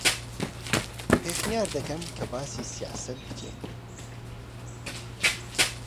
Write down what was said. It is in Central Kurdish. پێشنیار دەکەم کە باسی سیاسەت بکەین.